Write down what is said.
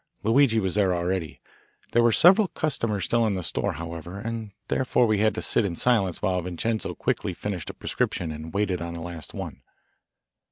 Luigi was there already. There were several customers still in the store, however, and therefore we had to sit in silence while Vincenzo quickly finished a prescription and waited on the last one.